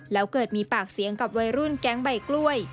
แล้วเกิดมีปากเสียงกับวัยรุ่นแก๊งใบกล้วย